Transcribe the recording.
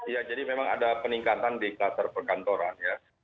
ya jadi memang ada peningkatan di kluster perkantoran ya